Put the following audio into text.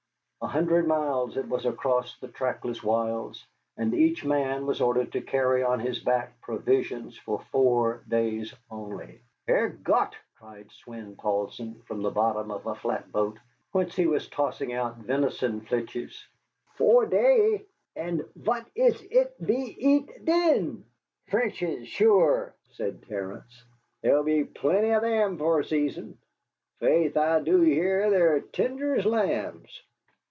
A hundred miles it was across the trackless wilds, and each man was ordered to carry on his back provisions for four days only. "Herr Gott!" cried Swein Poulsson, from the bottom of a flatboat, whence he was tossing out venison flitches, "four day, und vat is it ve eat then?" "Frenchies, sure," said Terence; "there'll be plenty av thim for a season. Faith, I do hear they're tinder as lambs."